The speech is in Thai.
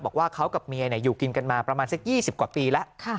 บอกว่าเขากับเมียอยู่กินกันมาประมาณสัก๒๐กว่าปีแล้ว